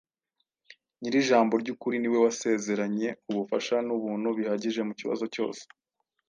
Nyir’ijambo ry’ukuri ni we wasezeranye ubufasha n’ubuntu bihagije mu kibazo cyose.